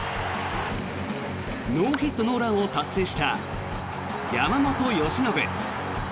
ノーヒット・ノーランを達成した山本由伸。